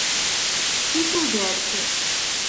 I tudert!